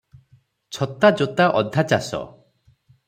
ଛତା ଯୋତା ଅଧା ଚାଷ